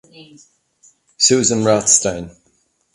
Susan Rothstein.